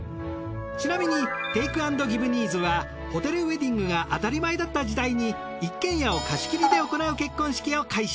ちなみにテイクアンドギヴ・ニーズはホテルウェディングが当たり前だった時代に１軒家を貸し切りで行う結婚式を開始。